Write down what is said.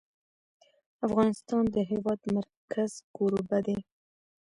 افغانستان د د هېواد مرکز کوربه دی.